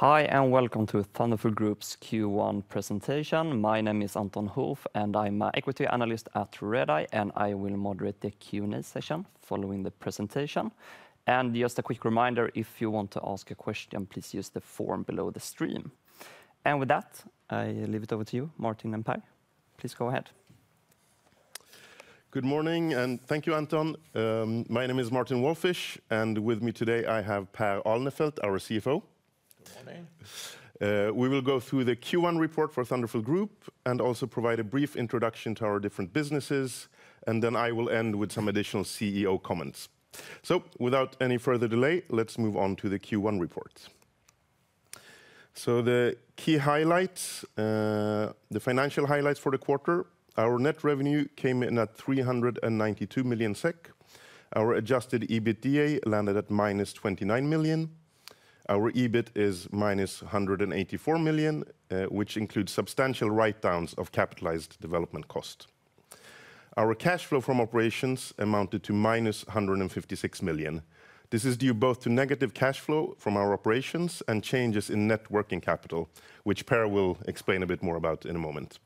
Hi, and welcome to Thunderful Group's Q1 presentation. My name is Anton Hoof, and I'm a equity analyst at Redeye, and I will moderate the Q&A session following the presentation. Just a quick reminder, if you want to ask a question, please use the form below the stream. With that, I leave it over to you, Martin and Per. Please go ahead. Good morning, and thank you, Anton. My name is Martin Walfisz, and with me today, I have Per Alnefelt, our CFO. Good morning. We will go through the Q1 report for Thunderful Group and also provide a brief introduction to our different businesses, and then I will end with some additional CEO comments. So without any further delay, let's move on to the Q1 report. So the key highlights, the financial highlights for the quarter, our net revenue came in at 392 million SEK. Our adjusted EBITDA landed at -29 million. Our EBIT is -184 million, which includes substantial write-downs of capitalized development cost. Our cash flow from operations amounted to -156 million. This is due both to negative cash flow from our operations and changes in net working capital, which Per will explain a bit more about in a moment.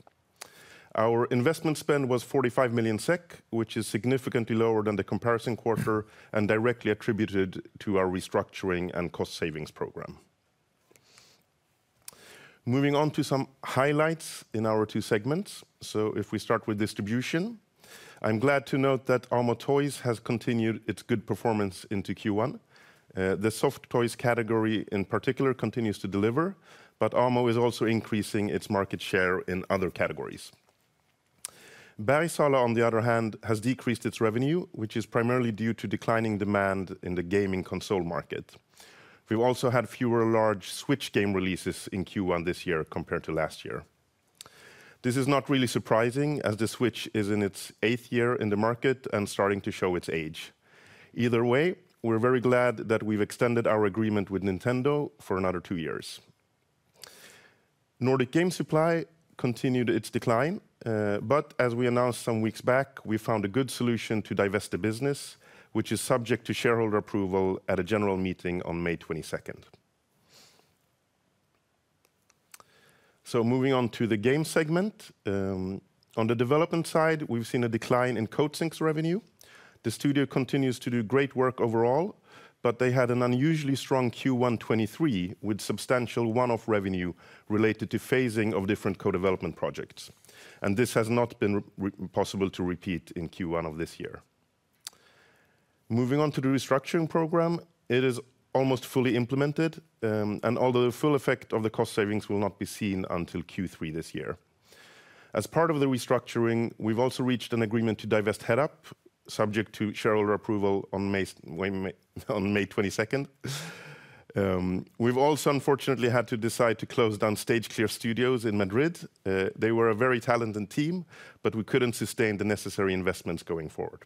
Our investment spend was 45 million SEK, which is significantly lower than the comparison quarter and directly attributed to our restructuring and cost savings program. Moving on to some highlights in our two segments. So if we start with distribution, I'm glad to note that Amo Toys has continued its good performance into Q1. The soft toys category, in particular, continues to deliver, but Amo is also increasing its market share in other categories. Bergsala, on the other hand, has decreased its revenue, which is primarily due to declining demand in the gaming console market. We've also had fewer large Switch game releases in Q1 this year compared to last year. This is not really surprising, as the Switch is in its eighth year in the market and starting to show its age. Either way, we're very glad that we've extended our agreement with Nintendo for another two years. Nordic Game Supply continued its decline, but as we announced some weeks back, we found a good solution to divest the business, which is subject to shareholder approval at a general meeting on May twenty-second. Moving on to the game segment. On the development side, we've seen a decline in Coatsink revenue. The studio continues to do great work overall, but they had an unusually strong Q1 2023, with substantial one-off revenue related to phasing of different co-development projects, and this has not been re- possible to repeat in Q1 of this year. Moving on to the restructuring program, it is almost fully implemented, and although the full effect of the cost savings will not be seen until Q3 this year. As part of the restructuring, we've also reached an agreement to divest Headup, subject to shareholder approval on May 22. We've also unfortunately had to decide to close down Stage Clear Studios in Madrid. They were a very talented team, but we couldn't sustain the necessary investments going forward.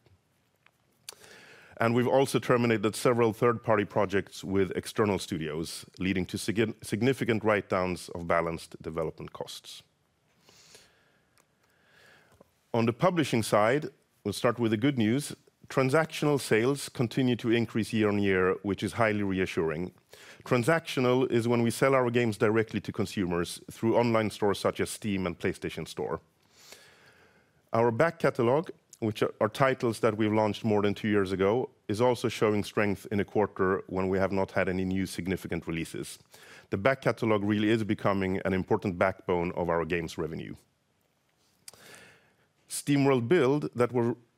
And we've also terminated several third-party projects with external studios, leading to significant write-downs of balanced development costs. On the publishing side, we'll start with the good news. Transactional sales continue to increase year-on-year, which is highly reassuring. Transactional is when we sell our games directly to consumers through online stores such as Steam and PlayStation Store. Our back catalog, which are titles that we've launched more than two years ago, is also showing strength in a quarter when we have not had any new significant releases. The back catalog really is becoming an important backbone of our games revenue. SteamWorld Build, that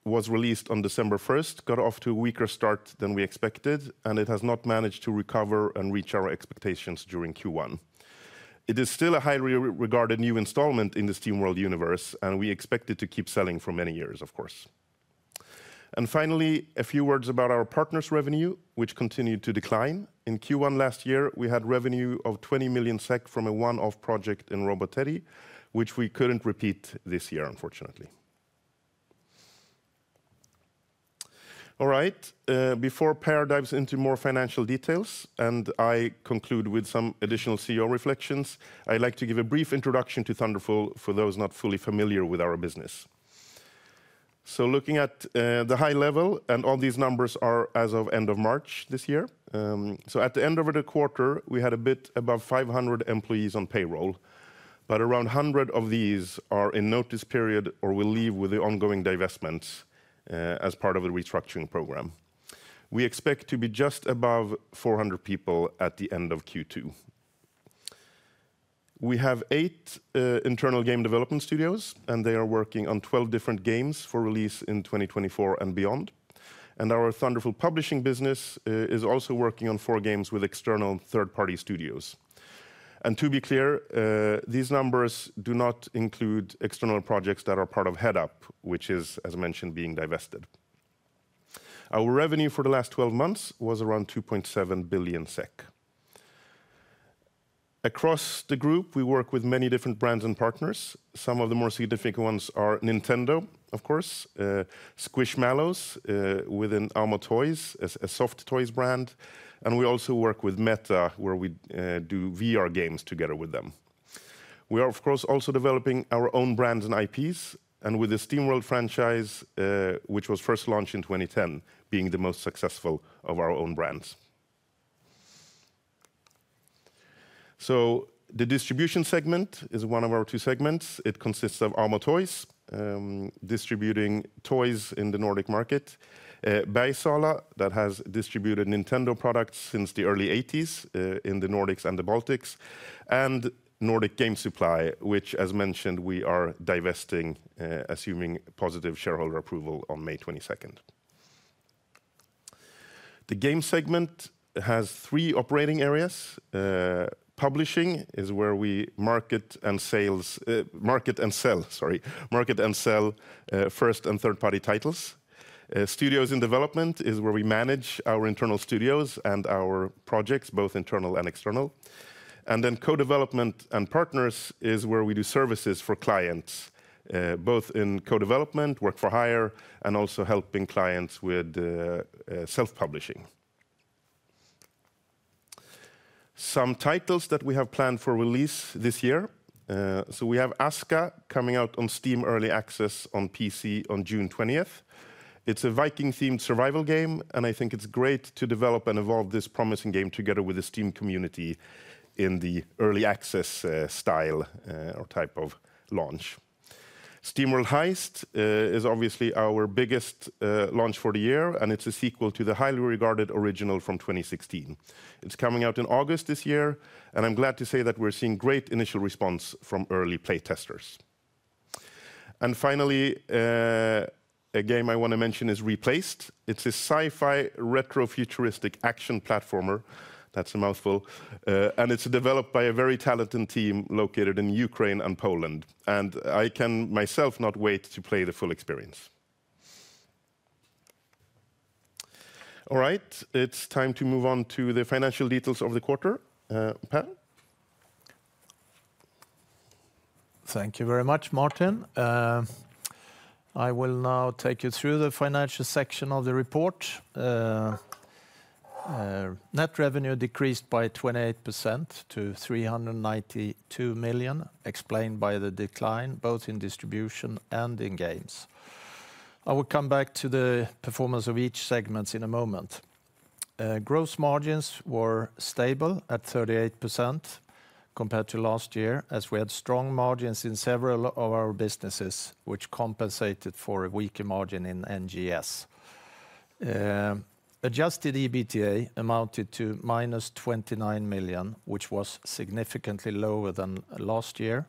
was released on December first, got off to a weaker start than we expected, and it has not managed to recover and reach our expectations during Q1. It is still a highly regarded new installment in the SteamWorld universe, and we expect it to keep selling for many years, of course. Finally, a few words about our partners' revenue, which continued to decline. In Q1 last year, we had revenue of 20 million SEK from a one-off project in Robot Teddy, which we couldn't repeat this year, unfortunately. All right, before Per dives into more financial details, and I conclude with some additional CEO reflections, I'd like to give a brief introduction to Thunderful for those not fully familiar with our business. Looking at the high level, and all these numbers are as of end of March this year. So at the end of the quarter, we had a bit above 500 employees on payroll, but around 100 of these are in notice period or will leave with the ongoing divestments, as part of the restructuring program. We expect to be just above 400 people at the end of Q2. We have eight internal game development studios, and they are working on 12 different games for release in 2024 and beyond. Our Thunderful publishing business is also working on four games with external third-party studios. To be clear, these numbers do not include external projects that are part of Headup, which is, as mentioned, being divested. Our revenue for the last 12 months was around 2.7 billion SEK. Across the group, we work with many different brands and partners. Some of the more significant ones are Nintendo, of course, Squishmallows, within Amo Toys, as a soft toys brand, and we also work with Meta, where we do VR games together with them. We are, of course, also developing our own brands and IPs, and with the SteamWorld franchise, which was first launched in 2010, being the most successful of our own brands. So the distribution segment is one of our two segments. It consists of Amo Toys, distributing toys in the Nordic market, Bergsala, that has distributed Nintendo products since the early 1980s, in the Nordics and the Baltics, and Nordic Game Supply, which, as mentioned, we are divesting, assuming positive shareholder approval on May twenty-second. The game segment has three operating areas. Publishing is where we market and sales, market and sell, sorry. Market and sell, first and third-party titles. Studios in development is where we manage our internal studios and our projects, both internal and external. Then co-development and partners is where we do services for clients, both in co-development, work-for-hire, and also helping clients with, self-publishing. Some titles that we have planned for release this year. So we have Aska coming out on Steam Early Access on PC on June twentieth. It's a Viking-themed survival game, and I think it's great to develop and evolve this promising game together with the Steam community in the early access style or type of launch. SteamWorld Heist is obviously our biggest launch for the year, and it's a sequel to the highly regarded original from 2016. It's coming out in August this year, and I'm glad to say that we're seeing great initial response from early playtesters. And finally, a game I want to mention is Replaced. It's a sci-fi, retro futuristic action platformer, that's a mouthful, and it's developed by a very talented team located in Ukraine and Poland, and I can myself not wait to play the full experience. All right, it's time to move on to the financial details of the quarter. Per? Thank you very much, Martin. I will now take you through the financial section of the report. Net revenue decreased by 28% to 392 million, explained by the decline, both in distribution and in games. I will come back to the performance of each segments in a moment. Gross margins were stable at 38% compared to last year, as we had strong margins in several of our businesses, which compensated for a weaker margin in NGS. Adjusted EBITDA amounted to -29 million, which was significantly lower than last year.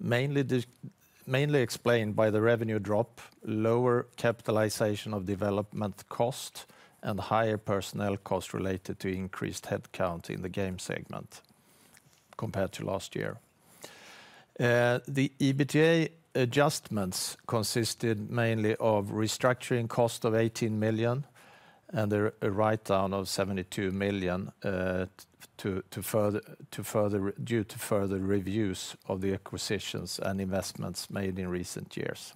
Mainly explained by the revenue drop, lower capitalization of development cost, and higher personnel cost related to increased headcount in the game segment compared to last year. The EBITDA adjustments consisted mainly of restructuring cost of 18 million and a write-down of 72 million due to further reviews of the acquisitions and investments made in recent years.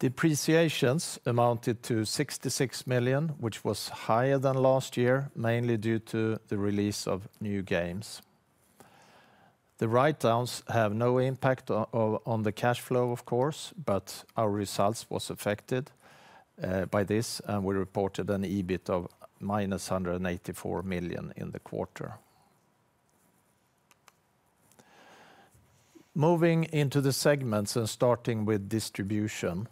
Depreciations amounted to 66 million, which was higher than last year, mainly due to the release of new games. The write-downs have no impact on the cash flow, of course, but our results was affected by this, and we reported an EBIT of -184 million in the quarter. Moving into the segments and starting with distribution,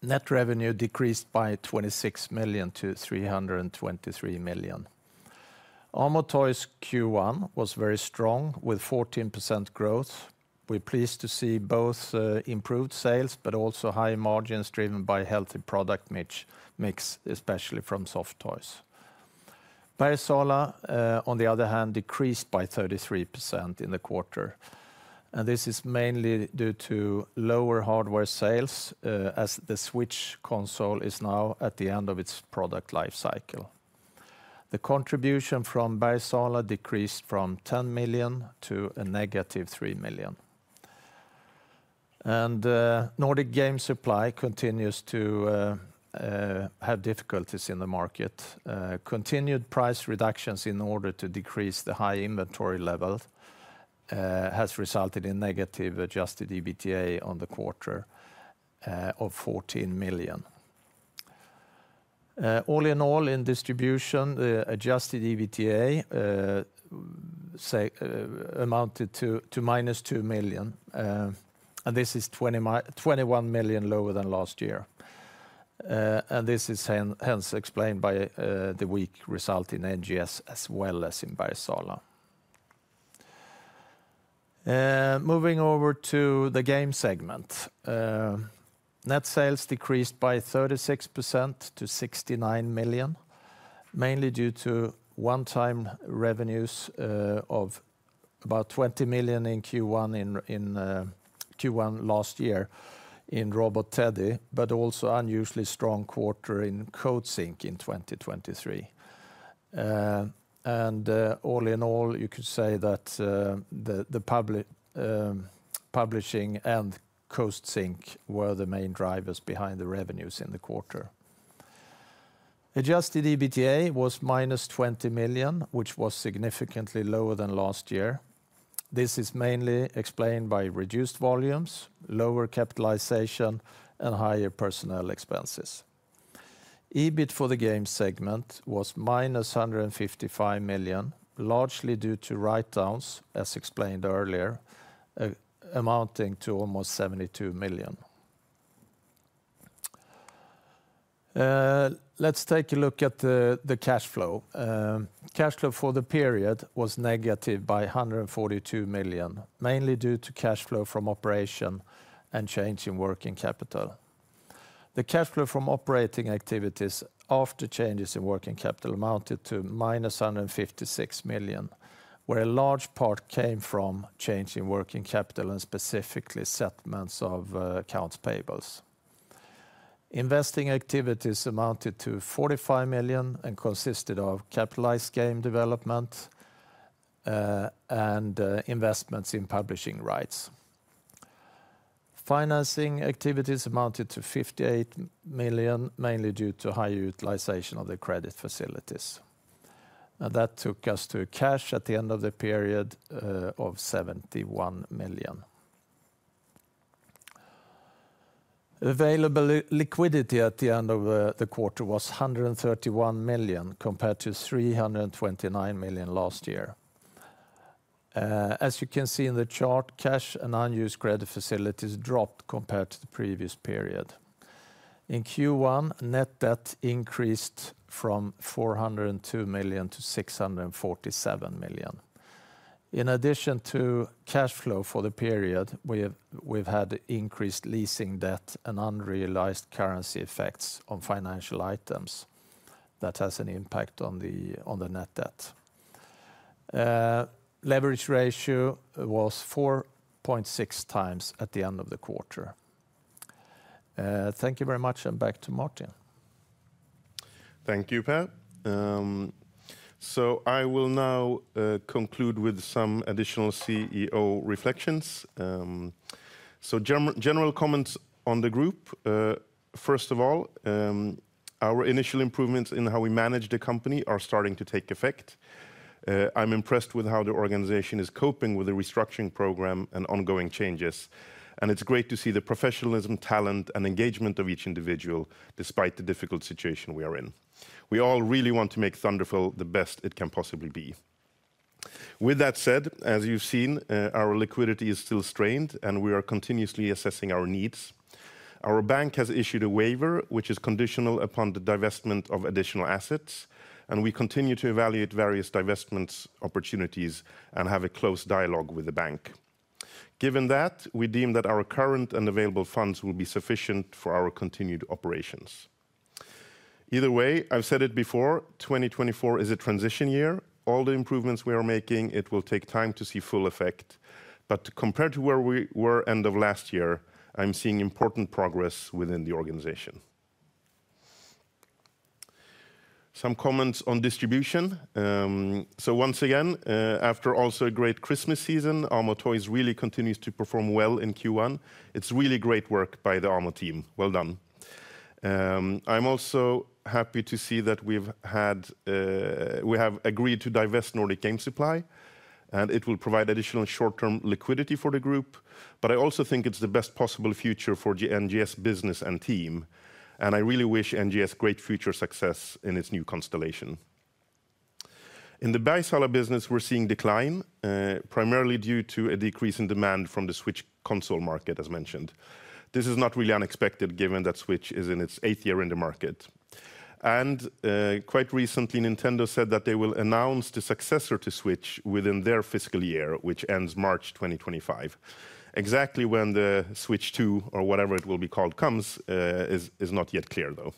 net revenue decreased by 26 million to 323 million. Amo Toys Q1 was very strong, with 14% growth. We're pleased to see both improved sales, but also high margins driven by healthy product mix, especially from soft toys. Bergsala, on the other hand, decreased by 33% in the quarter, and this is mainly due to lower hardware sales, as the Switch console is now at the end of its product life cycle. The contribution from Bergsala decreased from 10 million to -3 million. Nordic Game Supply continues to have difficulties in the market. Continued price reductions in order to decrease the high inventory level has resulted in negative adjusted EBITDA on the quarter of 14 million. All in all, in distribution, the adjusted EBITDA amounted to -2 million, and this is 21 million lower than last year. This is hence explained by the weak result in NGS as well as in Bergsala. Moving over to the game segment. Net sales decreased by 36% to 69 million, mainly due to one-time revenues of about 20 million in Q1 last year in Robot Teddy, but also unusually strong quarter in Coatsink in 2023. All in all, you could say that the publishing and Coatsink were the main drivers behind the revenues in the quarter. Adjusted EBITDA was -20 million, which was significantly lower than last year. This is mainly explained by reduced volumes, lower capitalization, and higher personnel expenses. EBIT for the game segment was -155 million, largely due to write-downs, as explained earlier, amounting to almost SEK 72 million. Let's take a look at the cash flow. Cash flow for the period was negative by 142 million, mainly due to cash flow from operation and change in working capital. The cash flow from operating activities after changes in working capital amounted to minus 156 million, where a large part came from change in working capital, and specifically settlements of accounts payables. Investing activities amounted to 45 million and consisted of capitalized game development and investments in publishing rights. Financing activities amounted to 58 million, mainly due to high utilization of the credit facilities. That took us to cash at the end of the period of 71 million. Available liquidity at the end of the quarter was 131 million, compared to 329 million last year. As you can see in the chart, cash and unused credit facilities dropped compared to the previous period. In Q1, net debt increased from 402 million to 647 million. In addition to cash flow for the period, we've had increased leasing debt and unrealized currency effects on financial items that has an impact on the, on the net debt. Leverage ratio was 4.6 times at the end of the quarter. Thank you very much, and back to Martin. Thank you, Per. So I will now conclude with some additional CEO reflections. So general comments on the group. First of all, our initial improvements in how we manage the company are starting to take effect. I'm impressed with how the organization is coping with the restructuring program and ongoing changes, and it's great to see the professionalism, talent, and engagement of each individual despite the difficult situation we are in. We all really want to make Thunderful the best it can possibly be. With that said, as you've seen, our liquidity is still strained, and we are continuously assessing our needs. Our bank has issued a waiver, which is conditional upon the divestment of additional assets, and we continue to evaluate various divestments opportunities and have a close dialogue with the bank. Given that, we deem that our current and available funds will be sufficient for our continued operations. Either way, I've said it before, 2024 is a transition year. All the improvements we are making, it will take time to see full effect. But compared to where we were end of last year, I'm seeing important progress within the organization. Some comments on distribution. So once again, after also a great Christmas season, Amo Toys really continues to perform well in Q1. It's really great work by the ARMO team. Well done. I'm also happy to see that we have agreed to divest Nordic Game Supply, and it will provide additional short-term liquidity for the group, but I also think it's the best possible future for NGS business and team, and I really wish NGS great future success in its new constellation. In the Bergsala business, we're seeing decline, primarily due to a decrease in demand from the Switch console market, as mentioned. This is not really unexpected, given that Switch is in its eighth year in the market. Quite recently, Nintendo said that they will announce the successor to Switch within their fiscal year, which ends March 2025. Exactly when the Switch 2, or whatever it will be called, comes, is not yet clear, though.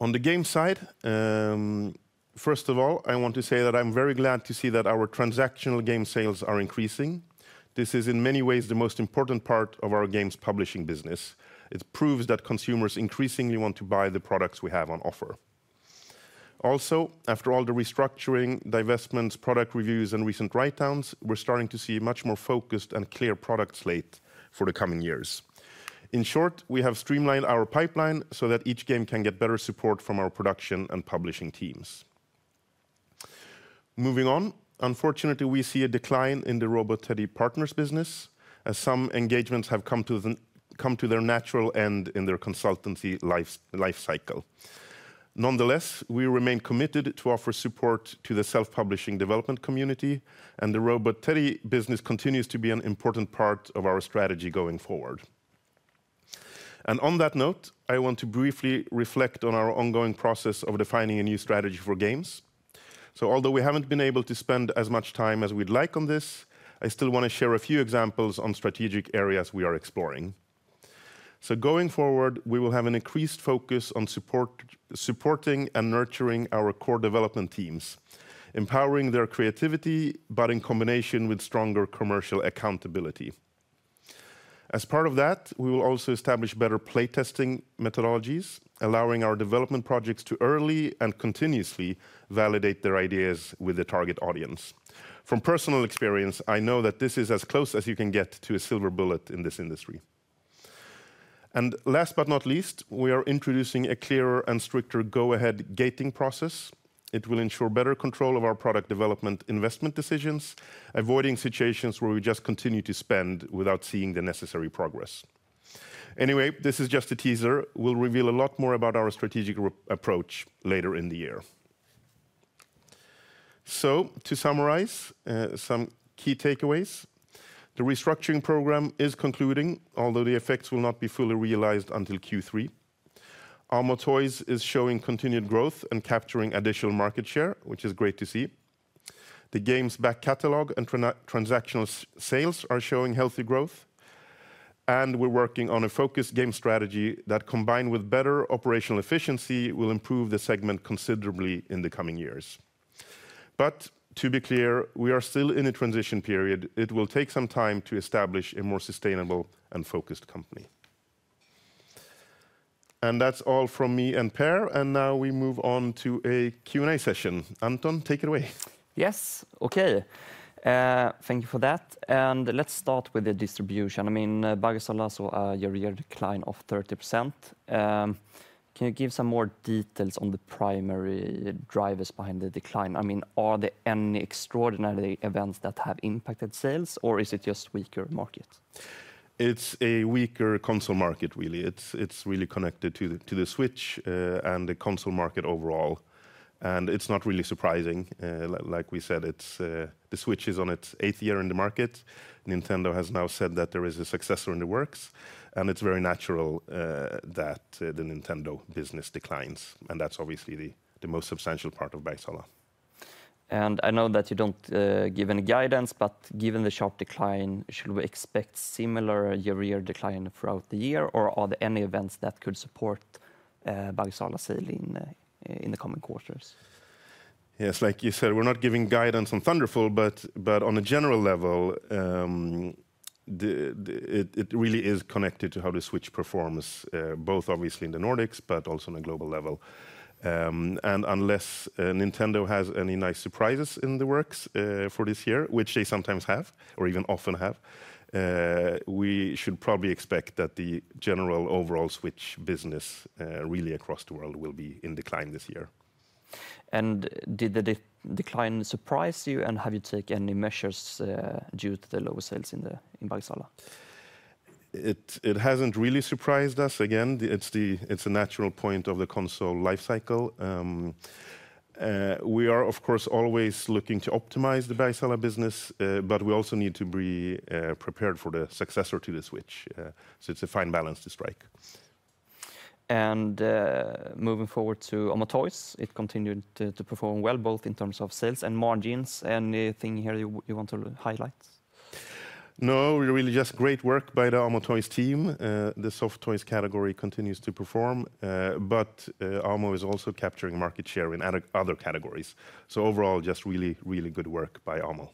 On the game side, first of all, I want to say that I'm very glad to see that our transactional game sales are increasing. This is in many ways the most important part of our games publishing business. It proves that consumers increasingly want to buy the products we have on offer. Also, after all the restructuring, divestments, product reviews, and recent write-downs, we're starting to see a much more focused and clear product slate for the coming years. In short, we have streamlined our pipeline so that each game can get better support from our production and publishing teams. Moving on, unfortunately, we see a decline in the Robot Teddy Partners business, as some engagements have come to their natural end in their consultancy lifecycle. Nonetheless, we remain committed to offer support to the self-publishing development community, and the Robot Teddy business continues to be an important part of our strategy going forward. And on that note, I want to briefly reflect on our ongoing process of defining a new strategy for games. So although we haven't been able to spend as much time as we'd like on this, I still want to share a few examples on strategic areas we are exploring. So going forward, we will have an increased focus on support, supporting and nurturing our core development teams, empowering their creativity, but in combination with stronger commercial accountability. As part of that, we will also establish better playtesting methodologies, allowing our development projects to early and continuously validate their ideas with the target audience. From personal experience, I know that this is as close as you can get to a silver bullet in this industry... And last but not least, we are introducing a clearer and stricter go-ahead gating process. It will ensure better control of our product development investment decisions, avoiding situations where we just continue to spend without seeing the necessary progress. Anyway, this is just a teaser. We'll reveal a lot more about our strategic reapproach later in the year. So to summarize, some key takeaways. The restructuring program is concluding, although the effects will not be fully realized until Q3. Amo Toys is showing continued growth and capturing additional market share, which is great to see. The Games back catalog and transactional sales are showing healthy growth, and we're working on a focused game strategy that, combined with better operational efficiency, will improve the segment considerably in the coming years. But to be clear, we are still in a transition period. It will take some time to establish a more sustainable and focused company. And that's all from me and Per, and now we move on to a Q&A session. Anton, take it away. Yes, okay. Thank you for that, and let's start with the distribution. I mean, Bergsala saw a year-over-year decline of 30%. Can you give some more details on the primary drivers behind the decline? I mean, are there any extraordinary events that have impacted sales, or is it just weaker market? It's a weaker console market, really. It's, it's really connected to the, to the Switch, and the console market overall, and it's not really surprising. Like, like we said, it's... the Switch is on its eighth year in the market. Nintendo has now said that there is a successor in the works, and it's very natural, that, the Nintendo business declines, and that's obviously the, the most substantial part of Bergsala. I know that you don't give any guidance, but given the sharp decline, should we expect similar year-over-year decline throughout the year, or are there any events that could support Bergsala sale in the coming quarters? Yes, like you said, we're not giving guidance on Thunderful, but on a general level, it really is connected to how the Switch performs, both obviously in the Nordics, but also on a global level. And unless Nintendo has any nice surprises in the works for this year, which they sometimes have or even often have, we should probably expect that the general overall Switch business really across the world will be in decline this year. Did the decline surprise you, and have you taken any measures due to the lower sales in Bergsala? It hasn't really surprised us. Again, it's a natural point of the console life cycle. We are, of course, always looking to optimize the Bergdala business, but we also need to be prepared for the successor to the Switch. So it's a fine balance to strike. Moving forward to Amo Toys, it continued to perform well, both in terms of sales and margins. Anything here you want to highlight? No, really, just great work by the Amo Toys team. The soft toys category continues to perform, but Amo is also capturing market share in other, other categories. So overall, just really, really good work by Amo.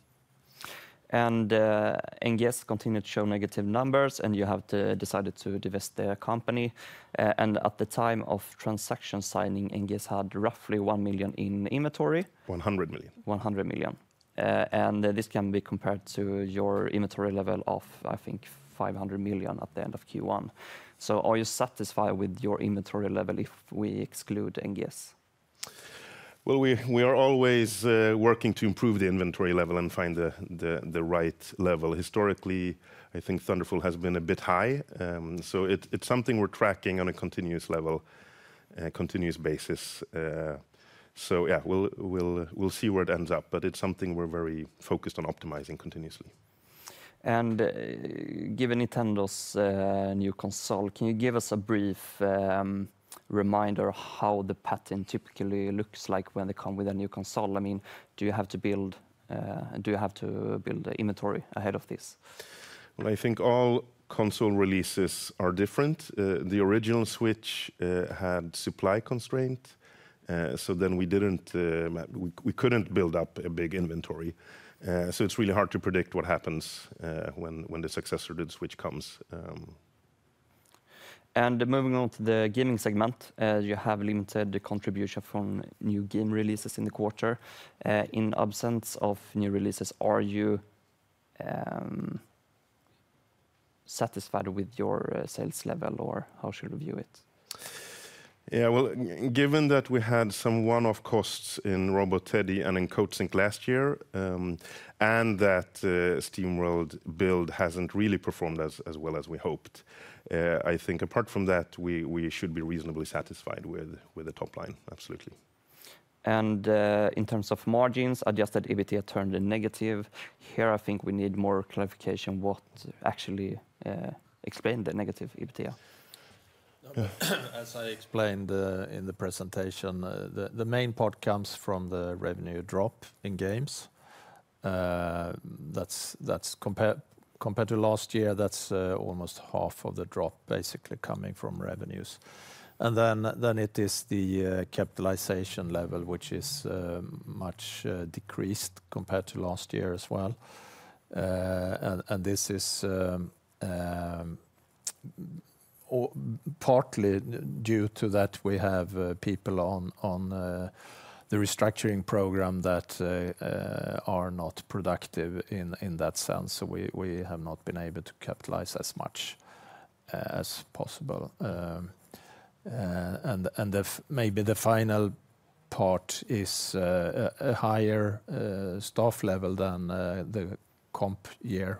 NGS continued to show negative numbers, and you have to decided to divest the company. At the time of transaction signing, NGST had roughly 1 million in inventory. 100 million. 100 million. And this can be compared to your inventory level of, I think, 500 million at the end of Q1. So are you satisfied with your inventory level if we exclude NGST? Well, we are always working to improve the inventory level and find the right level. Historically, I think Thunderful has been a bit high, so it's something we're tracking on a continuous level, continuous basis. So yeah, we'll see where it ends up, but it's something we're very focused on optimizing continuously. Given Nintendo's new console, can you give us a brief reminder how the pattern typically looks like when they come with a new console? I mean, do you have to build the inventory ahead of this? Well, I think all console releases are different. The original Switch had supply constraint, so then we couldn't build up a big inventory. So it's really hard to predict what happens, when the successor to the Switch comes. Moving on to the gaming segment, you have limited the contribution from new game releases in the quarter. In absence of new releases, are you satisfied with your sales level, or how should we view it? Yeah, well, given that we had some one-off costs in Robot Teddy and in CoatSink last year, and that SteamWorld Build hasn't really performed as well as we hoped, I think apart from that, we should be reasonably satisfied with the top line. Absolutely. In terms of margins, adjusted EBITDA turned negative. Here, I think we need more clarification what actually explained the negative EBITDA. Yeah. As I explained, in the presentation, the main part comes from the revenue drop in games. That's compared to last year, that's almost half of the drop basically coming from revenues. And then it is the capitalization level, which is much decreased compared to last year as well. And this is or- ... partly due to that, we have people on the restructuring program that are not productive in that sense. So we have not been able to capitalize as much as possible. And maybe the final part is a higher staff level than the comp year,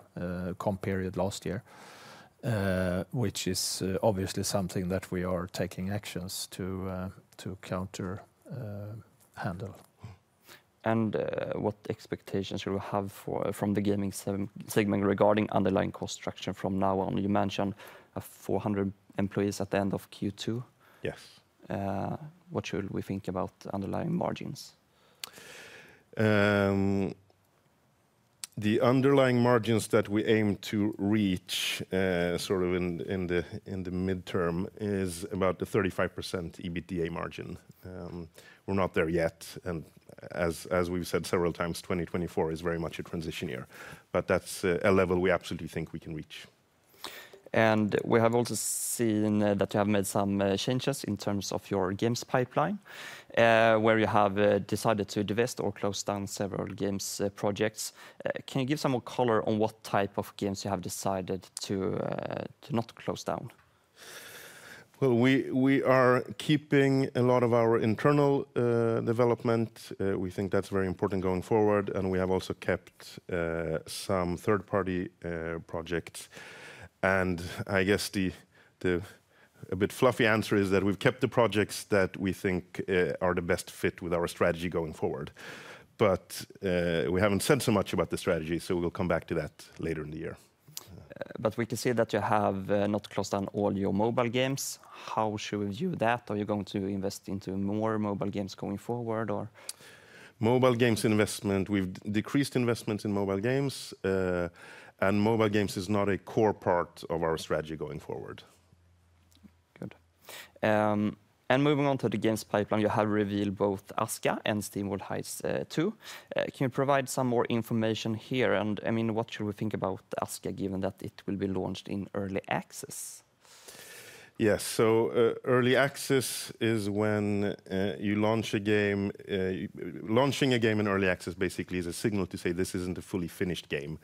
comp period last year, which is obviously something that we are taking actions to counter, handle. What expectations do you have from the gaming segment regarding underlying cost structure from now on? You mentioned 400 employees at the end of Q2. Yes. What should we think about underlying margins? The underlying margins that we aim to reach, sort of in the midterm is about a 35% EBITDA margin. We're not there yet, and as we've said several times, 2024 is very much a transition year. But that's a level we absolutely think we can reach. We have also seen that you have made some changes in terms of your games pipeline, where you have decided to divest or close down several games projects. Can you give some more color on what type of games you have decided to not close down? Well, we are keeping a lot of our internal development. We think that's very important going forward, and we have also kept some third-party projects. I guess the a bit fluffy answer is that we've kept the projects that we think are the best fit with our strategy going forward. We haven't said so much about the strategy, so we'll come back to that later in the year. But we can see that you have not closed down all your mobile games. How should we view that? Are you going to invest into more mobile games going forward, or? Mobile games investment, we've decreased investments in mobile games, and mobile games is not a core part of our strategy going forward. Good. And moving on to the games pipeline, you have revealed both Aska and SteamWorld Heist 2. Can you provide some more information here, and, I mean, what should we think about Aska, given that it will be launched in early access? Yes. So, early access is when you launch a game. Launching a game in early access basically is a signal to say, this isn't a fully finished game,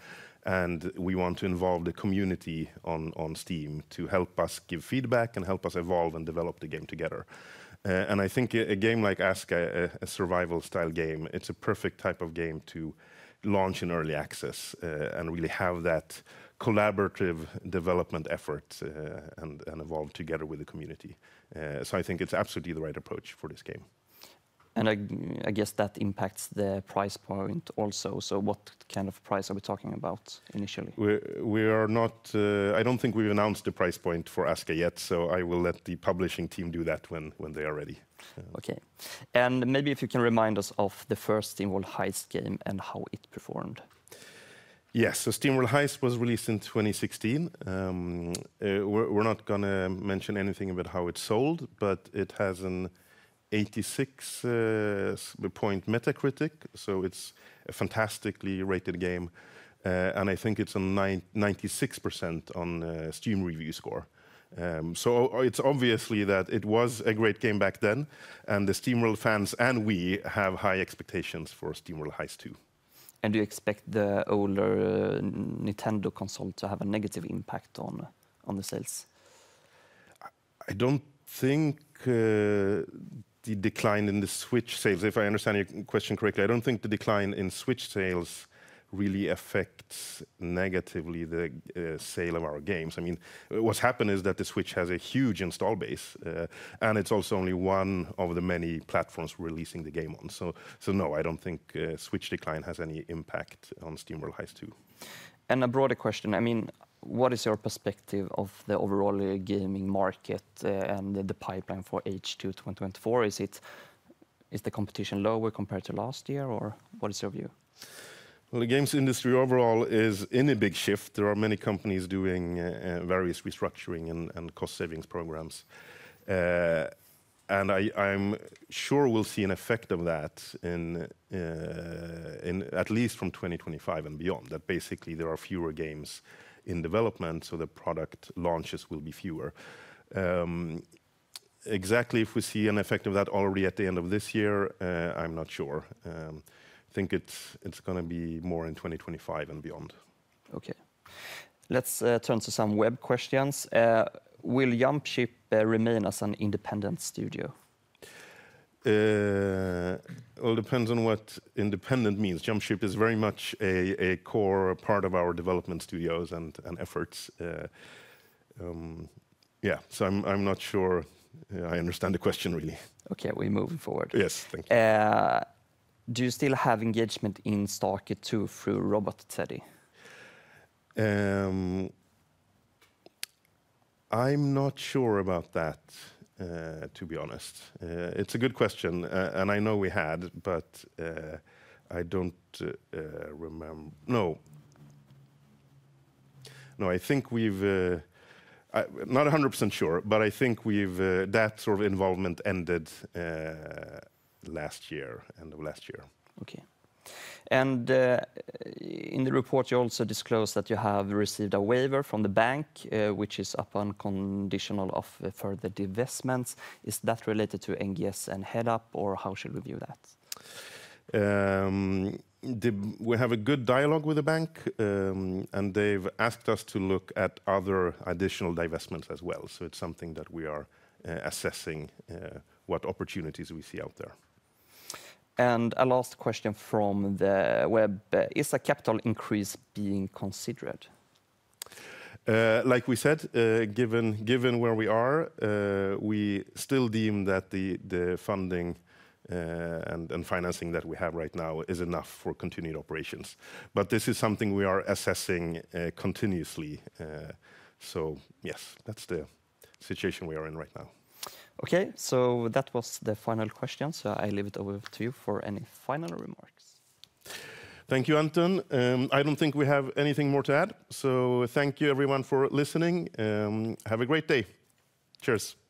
and we want to involve the community on Steam to help us give feedback and help us evolve and develop the game together. And I think a game like Aska, a survival-style game, it's a perfect type of game to launch in early access, and really have that collaborative development effort, and evolve together with the community. So I think it's absolutely the right approach for this game. I guess that impacts the price point also. What kind of price are we talking about initially? We are not. I don't think we've announced the price point for Aska yet, so I will let the publishing team do that when they are ready. Okay. Maybe if you can remind us of the first SteamWorld Heist game and how it performed. Yes. So SteamWorld Heist was released in 2016. We're, we're not gonna mention anything about how it's sold, but it has an 86-point Metacritic, so it's a fantastically rated game. And I think it's on 99.6% on Steam review score. So it's obviously that it was a great game back then, and the SteamWorld fans, and we, have high expectations for SteamWorld Heist 2. Do you expect the older Nintendo console to have a negative impact on the sales? I don't think the decline in the Switch sales, if I understand your question correctly, I don't think the decline in Switch sales really affects negatively the sale of our games. I mean, what's happened is that the Switch has a huge install base, and it's also only one of the many platforms we're releasing the game on. So, no, I don't think Switch decline has any impact on SteamWorld Heist 2. A broader question, I mean, what is your perspective of the overall gaming market, and the pipeline for H2 2024? Is the competition lower compared to last year, or what is your view? Well, the games industry overall is in a big shift. There are many companies doing various restructuring and cost savings programs. And I'm sure we'll see an effect of that in at least from 2025 and beyond, that basically, there are fewer games in development, so the product launches will be fewer. Exactly if we see an effect of that already at the end of this year, I'm not sure. I think it's gonna be more in 2025 and beyond. Okay. Let's turn to some web questions. Will Jumpship remain as an independent studio? All depends on what independent means. Jumpship is very much a core part of our development studios and efforts. Yeah, so I'm not sure I understand the question really. Okay, we move forward. Yes, thank you. Do you still have engagement in Stark 2 through Robot Teddy? I'm not sure about that, to be honest. It's a good question, and I know we had, but I don't. No. No, I think we've. Not 100% sure, but I think we've, that sort of involvement ended, last year, end of last year. Okay. And, in the report, you also disclose that you have received a waiver from the bank, which is upon conditional of further divestments. Is that related to NGS and Headup, or how should we view that? We have a good dialogue with the bank, and they've asked us to look at other additional divestments as well. So it's something that we are assessing what opportunities we see out there. A last question from the web: Is a capital increase being considered? Like we said, given where we are, we still deem that the funding and financing that we have right now is enough for continued operations. But this is something we are assessing continuously. So yes, that's the situation we are in right now. Okay, so that was the final question, so I leave it over to you for any final remarks. Thank you, Anton. I don't think we have anything more to add, so thank you everyone for listening, have a great day. Cheers. Thank you.